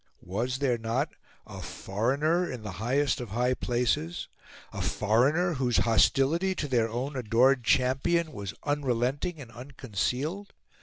Was there not a foreigner in the highest of high places, a foreigner whose hostility to their own adored champion was unrelenting and unconcealed?